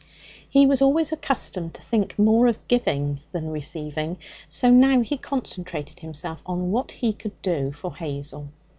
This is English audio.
He was always accustomed to think more of giving than receiving, so now he concentrated himself on what he could do for Hazel.